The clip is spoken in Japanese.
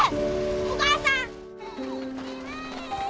お母さん！